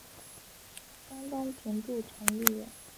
山东平度城里人。